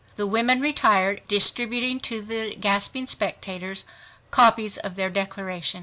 The women retired, distributing to the gasping spectators copies of their Declaration.